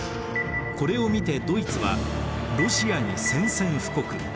これを見てドイツはロシアに宣戦布告。